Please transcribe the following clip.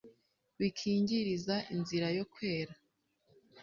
wikingiriza inzira yo kwera